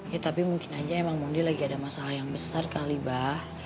ya tapi mungkin aja emang monde lagi ada masalah yang besar kali abah